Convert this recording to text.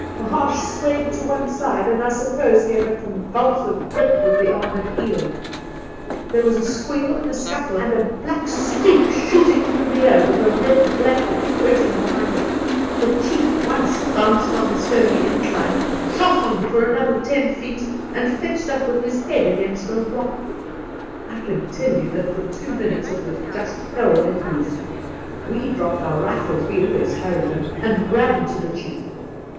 Mahaash swayed to one side, and, I suppose, gave a convulsive grip with the armoured heel. There was a squeal and scuffle, and a black streak shooting through the air with a red blanket floating behind it. The chief bounced once on the stony incline, shot on for another ten feet, and fetched up with his head against a rock. I can tell you that for two minutes it was just hell let loose. We dropped our rifles — we always carried them — and ran to the chief.